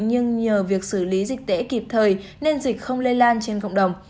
nhưng nhờ việc xử lý dịch tễ kịp thời nên dịch không lây lan trên cộng đồng